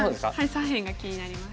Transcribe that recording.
左辺が気になります。